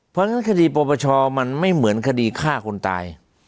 เพราะฉะนั้นคดีปรปชมันไม่เหมือนคดีฆ่าคนตาย